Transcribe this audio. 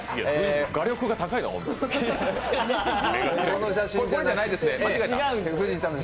画力が高いな。